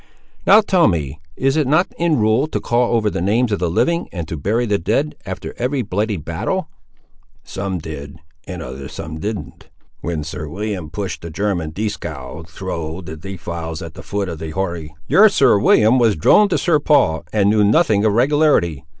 "Now tell me, is it not in rule, to call over the names of the living, and to bury the dead, after every bloody battle?" "Some did and other some didn't. When Sir William push'd the German, Dieskau, thro' the defiles at the foot of the Hori—" "Your Sir William was a drone to Sir Paul, and knew nothing of regularity.